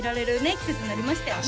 季節になりましたよね